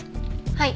はい。